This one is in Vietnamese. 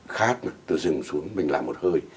khát mà từ rừng xuống mình là một hơi